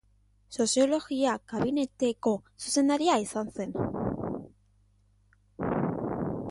Soziologia Kabineteko zuzendaria izan zen.